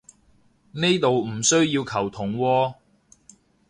呢度唔需要球僮喎